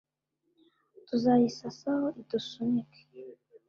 Tuzayisasaho idusunike